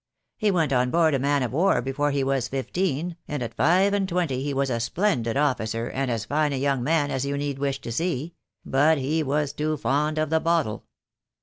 He went on board a man of war before he was fifteen, and at five and twenty he was a splendid officer and as fine a young man as you need wish to see; but he was too fond of the bottle.